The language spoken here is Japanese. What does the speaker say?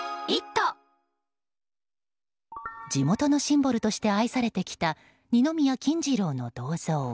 地元のシンボルとして愛されてきた、二宮金次郎の銅像。